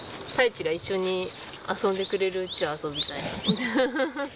泰地が一緒に遊んでくれるうちは、遊びたいなと。